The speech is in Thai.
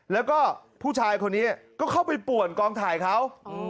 แล้วก็ผู้ชายคนนี้ก็เข้าไปป่วนกองถ่ายเขา